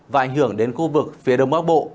và ảnh hưởng đến khu vực phía đông bắc bộ